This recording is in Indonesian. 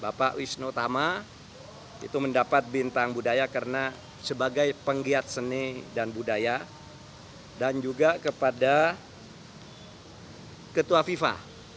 bapak wisnu tama itu mendapat bintang budaya karena sebagai penggiat seni dan budaya dan juga kepada ketua fifa